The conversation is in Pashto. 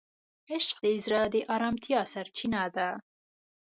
عشق د زړه د آرامتیا سرچینه ده.